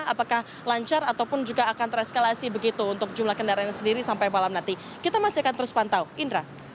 apakah lancar ataupun juga akan tereskalasi begitu untuk jumlah kendaraan sendiri sampai malam nanti kita masih akan terus pantau indra